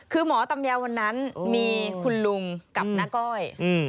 คือหมอตำแยวันนั้นมีคุณลุงกับน้าก้อย